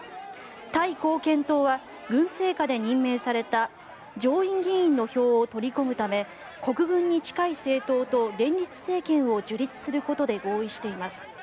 タイ貢献党は軍政下で任命された上院議員の票を取り込むため国軍に近い政党と連立政権を樹立することで合意しています。